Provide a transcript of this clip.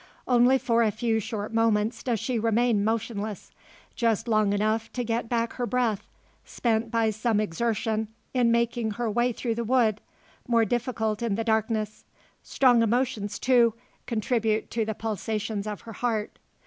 Only for a few short moments does she remain motionless. Just long enough to get back her breath, spent by some exertion in making her way through the wood more difficult in the darkness. Strong emotions, too, contribute to the pulsations of her heart.